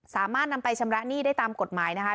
สามารถนำไปชำระหนี้ได้ตามกฎหมายนะคะ